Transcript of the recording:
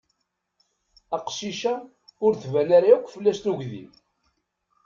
Aqcic-a ur tban ara yakk fell-as tugdi.